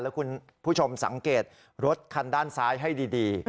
แล้วคุณผู้ชมสังเกตรถคันด้านซ้ายให้ดี